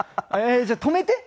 じゃあ止めて。